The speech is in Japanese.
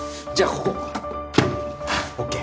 じゃあここ！ＯＫ！